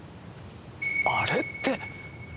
あれって。